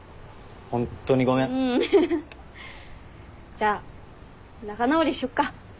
じゃあ仲直りしよっか。